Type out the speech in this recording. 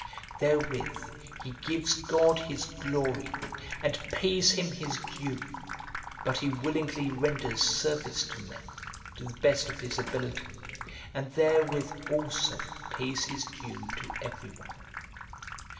Therewith he gives God His glory, and pays Him His due ; but he willingly renders service to men, to the best of his ability, and therewith also pays his due to everyone.